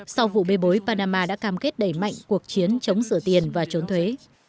sau vụ bê bối panama đã cam kết đẩy mạnh cuộc chiến chống sửa tiền và trốn thuế